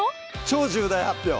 超重大発表！